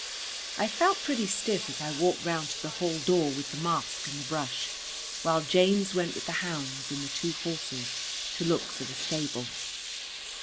I felt pretty stiff as I walked round to the hall door with the mask and the brush while James went with the hounds and the two horses to look for the stables.